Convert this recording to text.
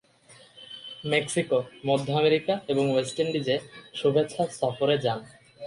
Mexico, মধ্য America এবং West ইন্ডিজে শুভেচ্ছা সফরে যান।